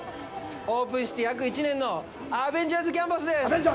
オープンして約１年のアベンジャーズ・キャンパスです。